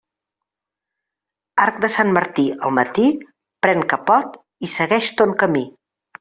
Arc de Sant Martí al matí, pren capot i segueix ton camí.